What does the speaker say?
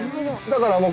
だから」